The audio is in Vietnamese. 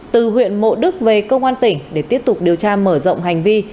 từ huyện mộ đức về công an tỉnh để tiếp tục điều tra mở rộng hành vi